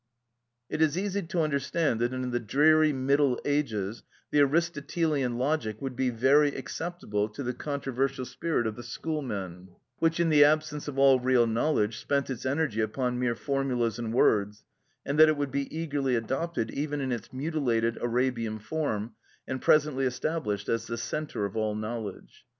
It is easy to understand that in the dreary middle ages the Aristotelian logic would be very acceptable to the controversial spirit of the schoolmen, which, in the absence of all real knowledge, spent its energy upon mere formulas and words, and that it would be eagerly adopted even in its mutilated Arabian form, and presently established as the centre of all knowledge.